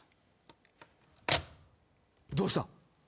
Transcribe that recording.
どうした？